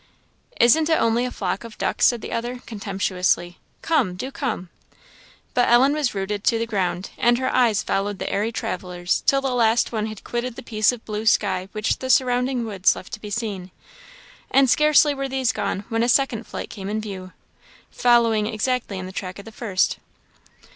"Isn't it only a flock of ducks," said the other, contemptuously; "come! do come!" But Ellen was rooted to the ground, and her eyes followed the airy travellers till the last one had quitted the piece of blue sky which the surrounding woods left to be seen. And scarcely were these gone when a second flight came in view, following exactly in the track of the first.